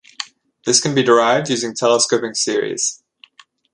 This can be derived using telescoping series.